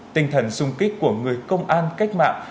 tinh thần sung kích của người công an cách mạng đã được tiếp tục